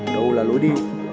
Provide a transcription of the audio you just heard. đâu là lối đi